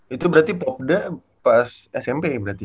itu berarti pop udah pas smp berarti